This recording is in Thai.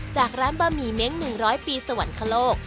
จากร้านบะหมี่เม้ง๑๐๐ปีสวรรคโลก